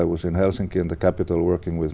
về trường hợp học sinh